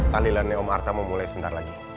tahlilannya om arta mau mulai sebentar lagi